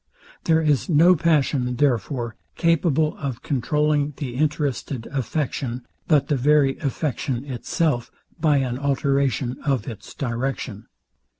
There is no passion, therefore, capable of controlling the interested affection, but the very affection itself, by an alteration of its direction.